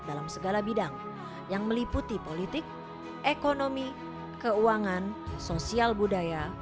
dalam segala bidang yang meliputi politik ekonomi keuangan sosial budaya